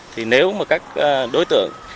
thì nếu mà các đối tượng